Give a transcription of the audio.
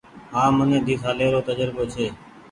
هآن مني ۮي سالي رو تجربو ڇي۔